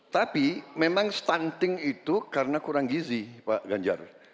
tapi memang stunting itu karena kurang gizi pak ganjar